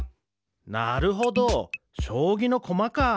なるほどしょうぎのこまかあ。